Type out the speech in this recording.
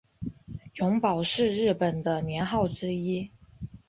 永保是日本的年号之一。